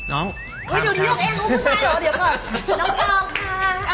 น้องอุ้ยดูยากเองรู้ผู้ชายเหรอเดี๋ยวก่อนน้องต้องค่ะ